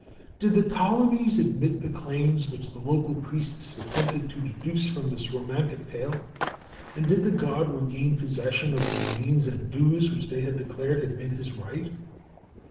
Did the Ptolemies admit the claims which the local priests attempted to deduce from this romantic tale? and did the god regain possession of the domains and dues which they declared had been his right?